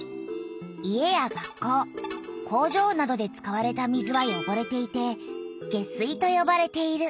家や学校工場などで使われた水はよごれていて「下水」とよばれている。